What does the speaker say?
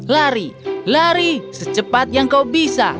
lari lari secepat yang kau bisa